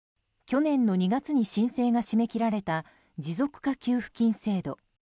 去年の２月に申請が締め切られた持続化給付金制度。